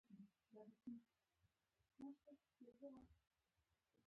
له بدې لارې مو منع کوي دا د پلار کار دی.